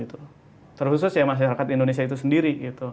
terus khusus masyarakat indonesia itu sendiri